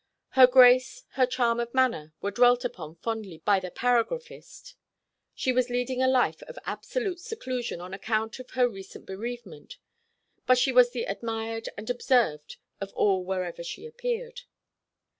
Her grace, her charm of manner, were dwelt upon fondly by the paragraphist. She was leading a life of absolute seclusion on account of her recent bereavement; but she was the admired and observed of all wherever she appeared.